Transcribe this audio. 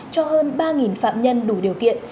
cho hơn ba phạm nhân đủ điều kiện